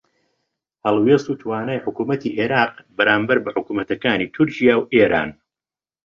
هەڵوێست و توانای حکوومەتی عێراق بەرامبەر بە حکوومەتەکانی تورکیا و ئێران